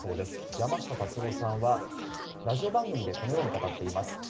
山下達郎さんは、ラジオ番組でこのように語っています。